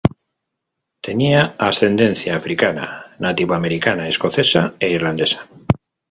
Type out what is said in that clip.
Tenía ascendencia africana, nativo americana, escocesa e irlandesa.